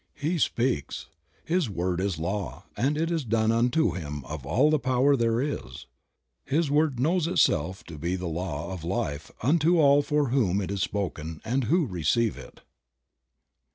He speaks, his word is Law and it is done unto him of all the power there is. His word knows itself to be the law of life unto all for whom it is spoken and who receive it.